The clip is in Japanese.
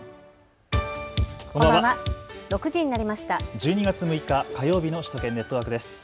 １２月６日火曜日の首都圏ネットワークです。